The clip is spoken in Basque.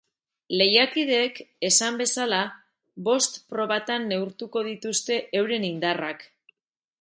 Lehiakideek, esan bezala, bost probatan neurtuko dituzte euren indarrak.